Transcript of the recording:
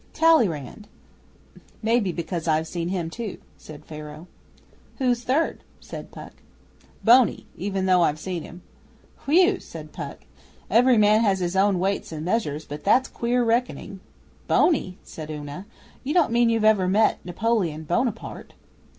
'Talleyrand: maybe because I've seen him too,' said Pharaoh. 'Who's third?' said Puck. 'Boney even though I've seen him.' 'Whew!' said Puck. 'Every man has his own weights and measures, but that's queer reckoning.' 'Boney?' said Una. 'You don't mean you've ever met Napoleon Bonaparte?